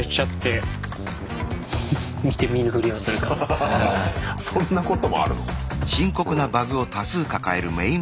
ハハハハハッそんなこともあるの？